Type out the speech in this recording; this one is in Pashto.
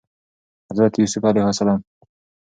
حضرت يوسف ع